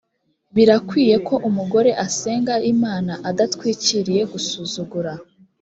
birakwiriye ko umugore asenga imana adatwikiriye gusuzugura